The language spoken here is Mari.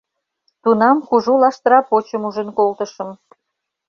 Тунам кужу лаштыра почым ужын колтышым.